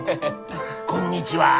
「こんにちは」。